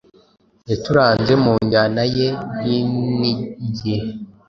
yacuranze mu njyana ye y’iningiri.